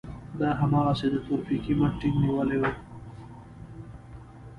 ده هماغسې د تورپيکۍ مټ ټينګ نيولی و.